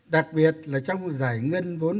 đặc biệt là trong giải ngân vốn